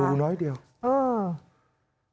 โปรดติดตามตอนต่อไป